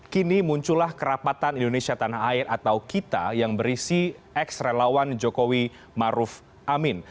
kini muncullah kerapatan indonesia tanah air atau kita yang berisi ex relawan jokowi maruf amin